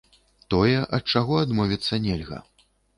Тое, ад чаго адмовіцца нельга.